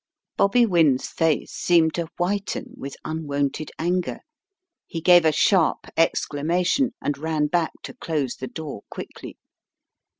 Bobby Wynne's face seemed to whiten with un wonted anger. He gave a sharp exclamation, and ran back to close the door quickly.